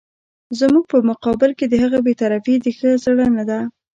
زموږ په مقابل کې د هغه بې طرفي د ښه زړه نه ده.